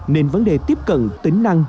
nên vấn đề tiếp cận tính năng